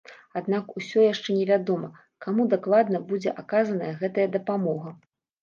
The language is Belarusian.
Аднак усё яшчэ невядома, каму дакладна будзе аказаная гэтая дапамога.